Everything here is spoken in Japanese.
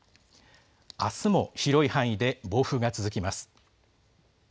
あすも広い範囲で暴風が続きます。